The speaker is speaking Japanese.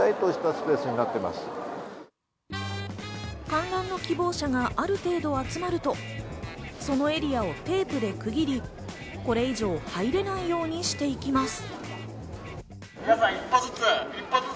観覧の希望者がある程度集まるとそのエリアをテープで区切り、これ以上入れないようにしていきます。